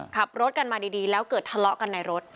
ขับรถกันมาดีแล้วเกิดทะเลาะกันในรถ